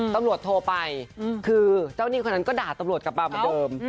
ตำรวจโทรไปคือเจ้าหนี้คนนั้นก็ด่าตำรวจกลับมาเหมือนเดิม